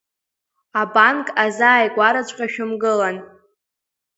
Абанк азааигәараҵәҟьа шәымгылан.